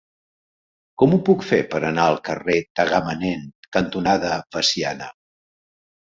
Com ho puc fer per anar al carrer Tagamanent cantonada Veciana?